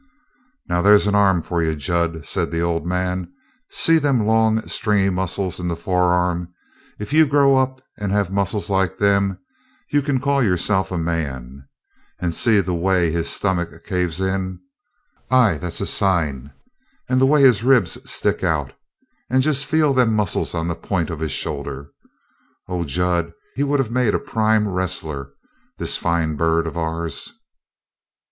"Now, there's an arm for you, Jud," said the old man. "See them long, stringy muscles in the forearm? If you grow up and have muscles like them, you can call yourself a man. And you see the way his stomach caves in? Aye, that's a sign! And the way his ribs sticks out and just feel them muscles on the point of his shoulder Oh, Jud, he would of made a prime wrestler, this fine bird of ours!"